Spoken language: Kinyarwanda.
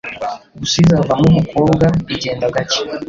gusa izavamo umukobwa igenda gacye